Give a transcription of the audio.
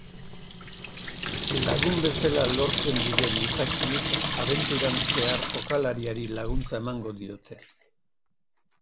Lagun bezala lortzen diren izakiek abenturan zehar jokalariari laguntza emango diote.